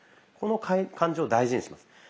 この感じを大事にします。